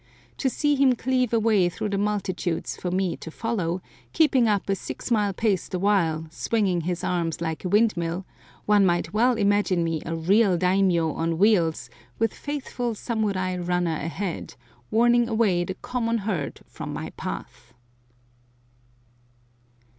To see him cleave a way through the multitudes for me to follow, keeping up a six mile pace the while, swinging his arms like a windmill, one might well imagine me a real dai mio on wheels with faithful samurai runner ahead, warning away the common herd from my path.